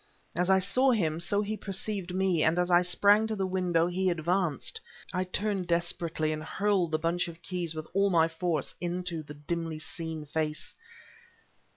As I saw him, so he perceived me; and as I sprang to the window, he advanced. I turned desperately and hurled the bunch of keys with all my force into the dimly seen face...